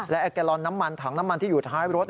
และแอร์แกลลอนน้ำมันถังน้ำมันที่อยู่ท้ายรถ